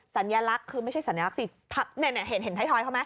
สัญลักษณ์คือไม่ใช่สัญลักษณ์สิเห็นไทยทอยเขาไหม